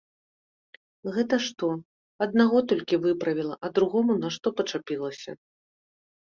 Гэта што, аднаго толькі выправіла, а другому нашто пачапілася.